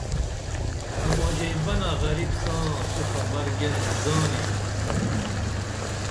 اماژے بنہ غریب ساں تو خبر گین زانیہ